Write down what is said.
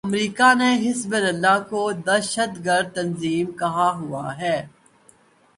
امریکا نے حزب اللہ کو دہشت گرد تنظیم کہا ہوا ہے۔